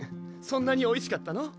そんなにおいしかったの？